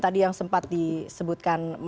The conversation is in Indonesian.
tadi yang sempat disebutkan